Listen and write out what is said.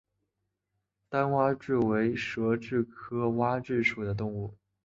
单蛙蛭为舌蛭科蛙蛭属的动物。